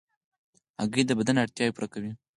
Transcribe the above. هګۍ د بدن اړتیاوې پوره کوي.